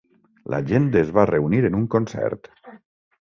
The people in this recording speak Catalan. La gent es va reunir en un concert.